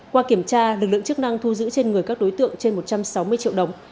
qua kiểm tra lực lượng chức năng thu giữ trên người các đối tượng trên một trăm sáu mươi triệu đồng